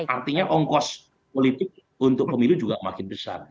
artinya ongkos politik untuk pemilu juga makin besar